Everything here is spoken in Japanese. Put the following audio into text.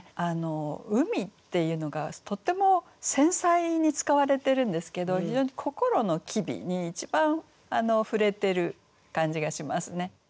「海」っていうのがとっても繊細に使われてるんですけど非常に心の機微に一番触れてる感じがしますね。